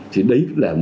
thì đấy là một